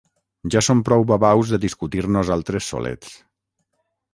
Ja som prou babaus de discutir nosaltres solets.